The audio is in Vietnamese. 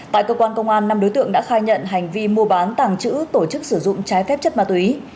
tại cơ quan công an năm đối tượng đã khai nhận hành vi mua bán tàng trữ tổ chức sử dụng trái phép chất ma túy